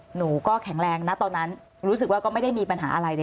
หนูก็แข็งแรงนะตอนนั้นรู้สึกว่าก็ไม่ได้มีปัญหาอะไรเลย